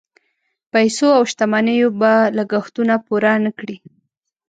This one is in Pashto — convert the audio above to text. پیسو او شتمنیو به لګښتونه پوره نه کړي.